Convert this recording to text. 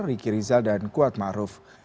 ricky rizal dan kuat ma'ruf